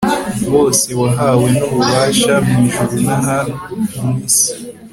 bose, wahawe n'ububasha, mu ijuru n'aha mu isi